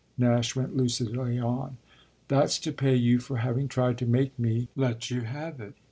Nash went lucidly on: "that's to pay you for having tried to make me let you have it.